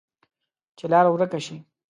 چې لار ورکه شي،